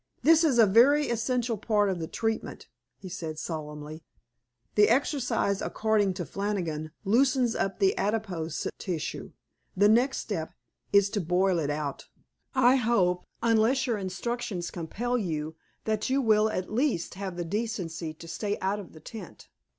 "This is a very essential part of the treatment," he said solemnly. "The exercise, according to Flannigan, loosens up the adipose tissue. The next step is to boil it out. I hope, unless your instructions compel you, that you will at least have the decency to stay out of the tent."